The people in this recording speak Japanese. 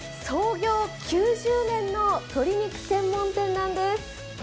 創業９０年の鶏肉専門店なんです。